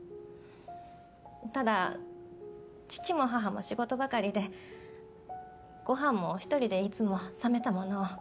ただ父も母も仕事ばかりでご飯も１人でいつも冷めたものを。